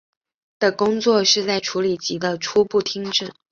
的工作是在处理及的初步听证。